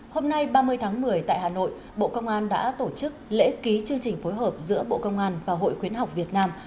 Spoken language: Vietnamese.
hôm nay ba mươi tháng một mươi tại hà nội bộ công an đã tổ chức lễ ký chương trình phối hợp giữa bộ công an và hội khuyến học việt nam